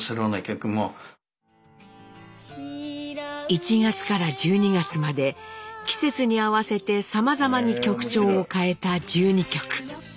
１月から１２月まで季節に合わせてさまざまに曲調を変えた１２曲。